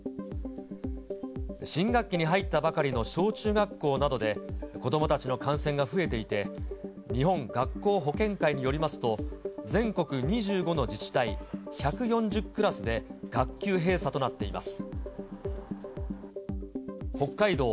新学期に入ったばかりの小中学校などで子どもたちの感染が増えていて、日本学校保健会によりますと、全国２５の自治体１４０クラスで学級閉鎖となっています。